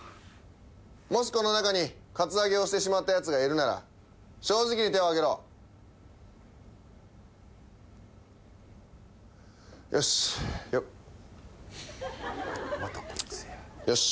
もしこの中にカツアゲをしてしまったやつがいるなら正直に手を挙げろよしよ